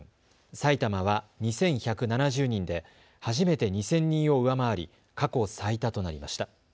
埼玉は２１７０人で初めて２０００人を上回り過去最多となりました。